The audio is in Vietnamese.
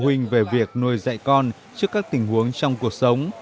chương trình về việc nuôi dạy con trước các tình huống trong cuộc sống